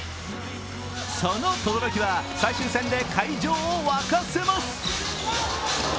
その轟は最終戦で会場を沸かせます。